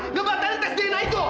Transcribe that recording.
nggak batalkan tes dna itu